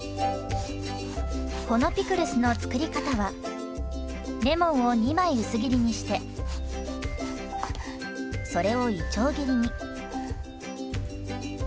このピクルスの作り方はレモンを２枚薄切りにしてそれをいちょう切りに。